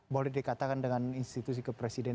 boleh dikatakan dengan institusi kepercayaan